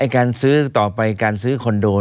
การซื้อต่อไปการซื้อคอนโด